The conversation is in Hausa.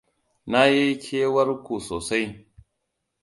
Na yi kewar ku sosai.